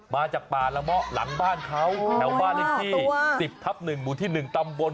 มาจากป่าละเมาะหลังบ้านเขาแถวบ้านเลขที่๑๐ทับ๑หมู่ที่๑ตำบล